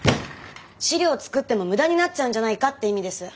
資料作っても無駄になっちゃうんじゃないかって意味です。